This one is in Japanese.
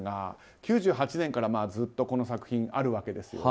９８年からずっとこの作品があるわけですよね。